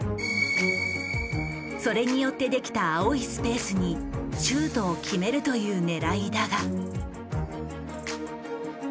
それによってできた青いスペースにシュートを決めるというねらいだが。